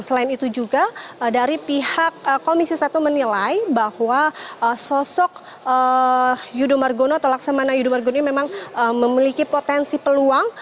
selain itu juga dari pihak komisi satu menilai bahwa sosok yudo margono atau laksamana yudo margono ini memang memiliki potensi peluang